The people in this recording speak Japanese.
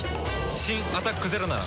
新「アタックＺＥＲＯ」なら。